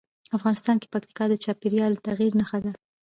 افغانستان کې پکتیکا د چاپېریال د تغیر نښه ده.